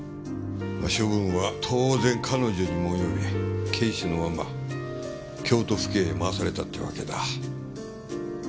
処分は当然彼女にも及び警視のまま京都府警へ回されたっていうわけだ。